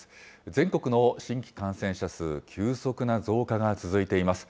全国の新規感染者数、急速な増加が続いています。